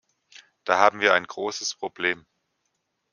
Da haben wir ein großes Problem.